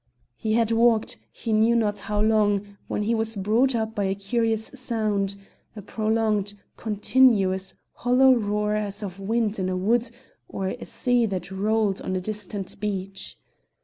He had walked, he knew not how long, when he was brought up by a curious sound a prolonged, continuous, hollow roar as of wind in a wood or a sea that rolled on a distant beach.